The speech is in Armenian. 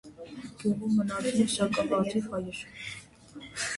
Գյուղում մնացին սակավաթիվ հայեր։